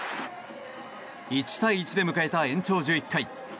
１対１で迎えた延長１１回。